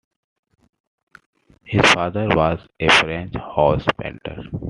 His father was a French house painter.